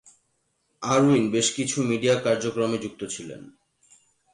Irwin বেশকিছু media কার্যক্রমে যুক্ত ছিলেন।